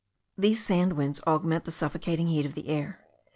These sand winds augment the suffocating heat of the air.